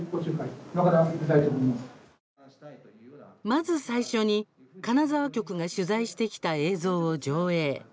まず最初に金沢局が取材してきた映像を上映。